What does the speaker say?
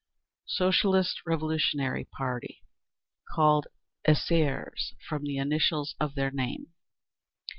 5. Socialist Revolutionary party. Called Essaires from the initials of their name.